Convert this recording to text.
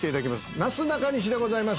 なすなかにしでございます。